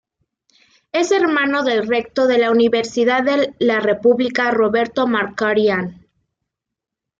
Es hermano del rector de la Universidad de la República, Roberto Markarián.